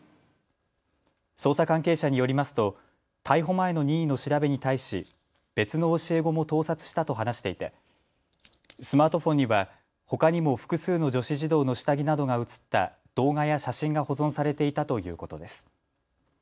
捜査関係者によりますと逮捕前の任意の調べに対し別の教え子も盗撮したと話していて、スマートフォンにはほかにも複数の女子児童の下着などが写った動画や写真が保存されていたということです。